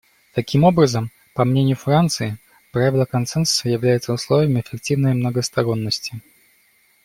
Таким образом, по мнению Франции, правило консенсуса является условием эффективной многосторонности.